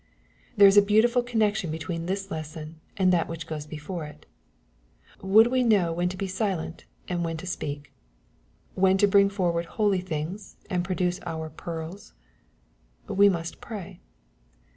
There is a beautiful connection between this lesson and that which goes before it. Would we know when to be " silent," and when to " speak,*' — when to bring forward " holy " things, and produce our " pearls ?" We must pray.